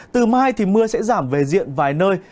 từ mai thì mưa sẽ giảm về diện vài nơi